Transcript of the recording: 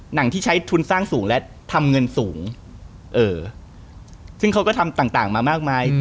หนังที่ใช้ทุนสร้างสูงและทำเงินสูงซึ่งเขาก็ทำต่างมามากมาย